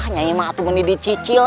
nyai mah atuh bener dicicil